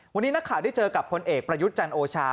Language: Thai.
วันนี้นักข่าวได้เจอกับพลเอกประยุทธ์จันทร์โอชา